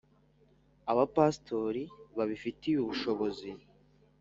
Abapasitori ba babifitiye ubushobozi